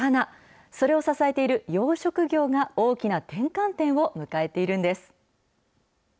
それを支えている養殖業が大きな転換点を迎えているんです。